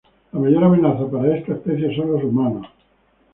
La mayor amenaza para esta especie son los humanos.